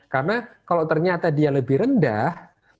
karena kalau ternyata dia lebih rendah